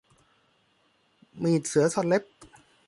มีดเสือซ่อนเล็บ